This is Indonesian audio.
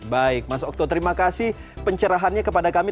baik mas okto terima kasih pencerahannya kepada kami